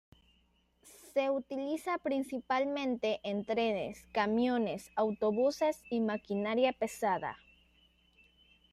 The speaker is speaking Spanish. Se utiliza principalmente en trenes, camiones, autobuses y maquinaria pesada.